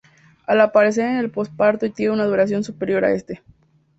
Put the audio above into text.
Aparece en el posparto y tiene una duración superior a este.